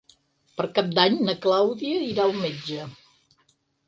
Per Cap d'Any na Clàudia irà al metge.